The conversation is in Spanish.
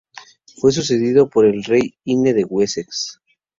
Fue sucedido por el Rey Ine de Wessex.